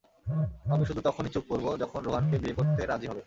আমি শুধু তখনই চুপ করবো, যখন রোহানকে বিয়ে করতে রাজি হবে।